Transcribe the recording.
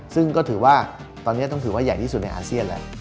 ซึ่งก็ถือว่าตอนนี้ต้องถือว่าใหญ่ที่สุดในอาเซียนแหละ